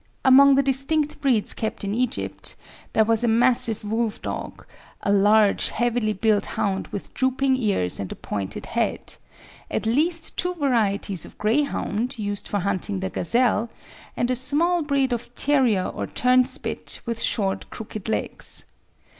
Among the distinct breeds kept in Egypt there was a massive wolf dog, a large, heavily built hound with drooping ears and a pointed head, at least two varieties of Greyhound used for hunting the gazelle, and a small breed of terrier or Turnspit, with short, crooked legs.